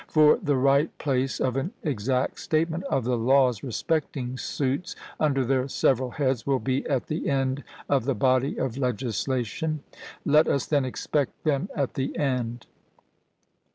For the right place of an exact statement of the laws respecting suits, under their several heads, will be at the end of the body of legislation; let us then expect them at the end.